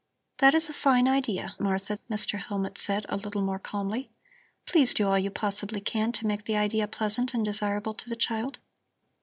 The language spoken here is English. "That is a fine idea, Martha," Mr. Hellmut said, a little more calmly. "Please do all you possibly can to make the idea pleasant and desirable to the child.